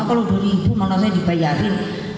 kalau pak ahok